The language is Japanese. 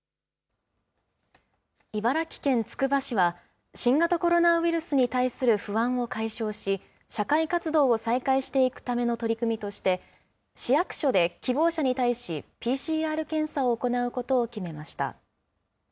茨城県つくば市は、新型コロナウイルスに対する不安を解消し、社会活動を再開していくための取り組みとして、市役所で希望者に対し、ＰＣＲ検査を行うことを決めました。